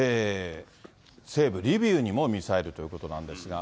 西部リビウにもミサイルということなんですが。